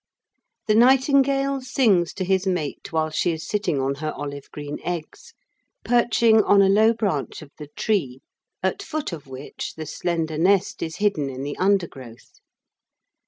The nightingale sings to his mate while she is sitting on her olive green eggs perching on a low branch of the tree, at foot of which the slender nest is hidden in the undergrowth.